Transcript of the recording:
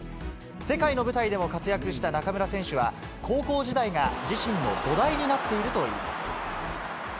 世界の舞台でも活躍した中村選手は、高校時代が自身の土台になっているといいます。